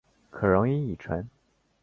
可溶于乙醇。